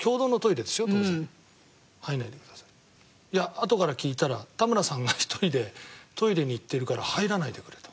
いやあとから聞いたら田村さんが１人でトイレに行ってるから入らないでくれと。